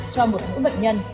cho một hữu bệnh nhân